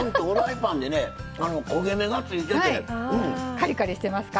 カリカリしてますか？